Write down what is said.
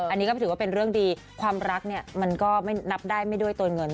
อันนี้ก็ถือว่าเป็นเรื่องดีความรักเนี่ยมันก็ไม่นับได้ไม่ด้วยตัวเงิน